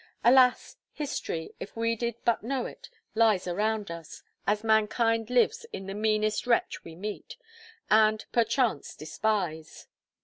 Alas! History, if we did but know it, lies around us, as mankind lives in the meanest wretch we meet, and perchance despise.